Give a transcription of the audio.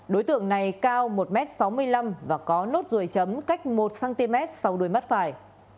đối tượng này cao một m sáu mươi năm và có nốt ruồi chấm cách một cm sau đuôi mắt phải